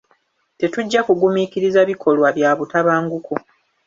Tetujja kugumiikiriza bikolwa bya butabanguko.